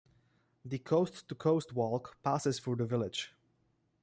The Coast to Coast Walk passes through the village.